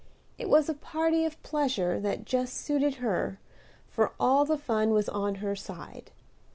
It was a party of pleasure that just suited her, for all the fun was on her side.